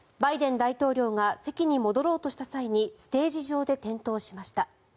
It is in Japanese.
バイデン大統領が席に戻ろうとした際にステージ上で転倒しました。